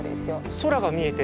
空が見えてる。